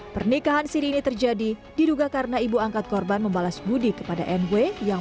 pernikahan siri ini terjadi diduga karena ibu angkat korban membalas budi kepada nw yang